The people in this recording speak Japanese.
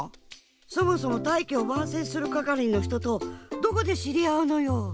そもそも大器を晩成するかかりのひととどこでしりあうのよ。